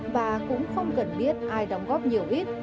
và cũng không cần biết ai đóng góp nhiều ít